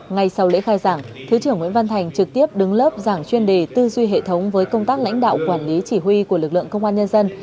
ngay sau lễ khai giảng thứ trưởng nguyễn văn thành trực tiếp đứng lớp giảng chuyên đề tư duy hệ thống với công tác lãnh đạo quản lý chỉ huy của lực lượng công an nhân dân